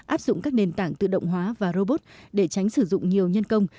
áp dụng các nền tảng tự động hóa và robot để tránh sử dụng nhiều nhân công